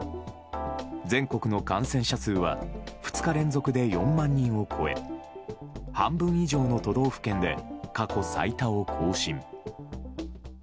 全国の感染者数は２日連続で４万人を超え半分以上の都道府県で過去最多を更新。